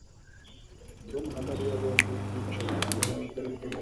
Tom na Mariya bombi bicaye ku buriri